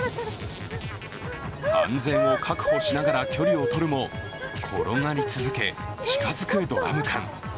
安全を確保しながら距離を取るも転がり続け、近づくドラム缶。